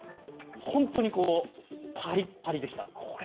本当にパリッパリでした。